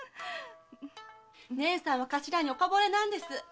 姐さんは頭に岡惚れなんです。